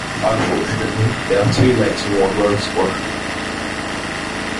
Unfortunately, they are too late to warn Rogue Squadron.